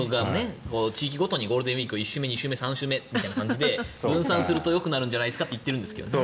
地域ごとにゴールデンウィークを１週目、２週目、３週目みたいな感じで分散するとよくなるんじゃないですかと言ってるんですけどね。